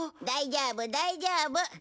大丈夫大丈夫！